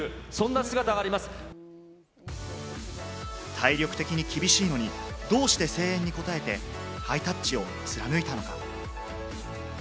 体力的に厳しいのに、どうして声援に応えて、ハイタッチを貫いたのか？